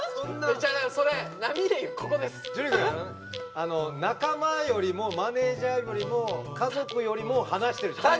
あの仲間よりもマネージャーよりも家族よりも話してるじゃない。